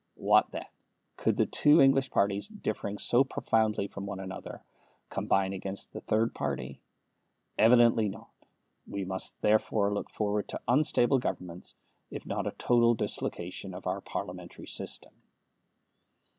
What then? Could the two English parties, differing so profoundly from one another, combine against the third party? Evidently not. We must, therefore, look forward to unstable Governments, if not to a total dislocation of our Parliamentary system.